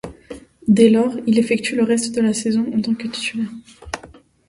Dès lors, il effectue le reste de la saison en tant que titulaire.